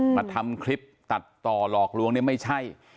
มาทำคลิปตัดต่อหลอกลวงเนี่ยไม่ใช่